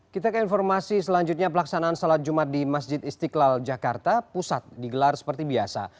kita ke informasi selanjutnya pelaksanaan sholat jumat di masjid istiqlal jakarta pusat digelar seperti biasa